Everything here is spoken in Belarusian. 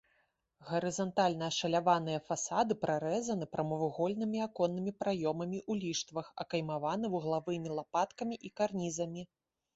Гарызантальна ашаляваныя фасады прарэзаны прамавугольнымі аконнымі праёмамі ў ліштвах, акаймаваны вуглавымі лапаткамі і карнізамі.